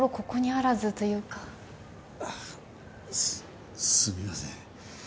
ここにあらずというかあっすすみません